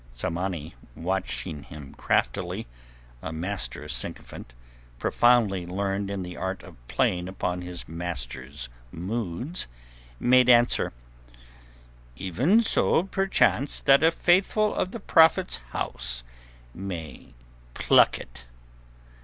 Tsamanni watching him craftily, a master sycophant profoundly learned in the art of playing upon his master's moods, made answer: "Even so perchance that a Faithful of the Prophet's House may pluck it.